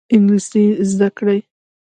انګلیسي زده کړئ